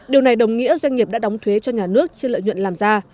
điều này đồng nghĩa doanh nghiệp đã đóng thuế cho nhà nước trên lợi nhuận làm ra